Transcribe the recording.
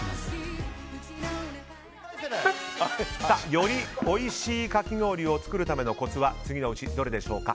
よりおいしいかき氷を作るためのコツは次のうちどれでしょうか？